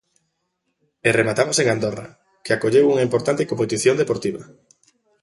E rematamos en Andorra, que acolleu unha importante competición deportiva.